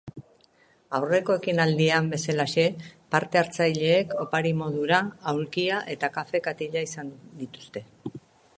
Aurreko ekinaldian bezalaxe partehartzaileek opari modura aulkia eta kafe katila izan dituzte.